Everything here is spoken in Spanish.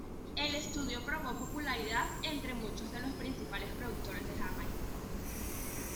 El estudio probó popularidad entre muchos de los principales productores de Jamaica.